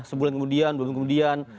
sebulan kemudian bulan kemudian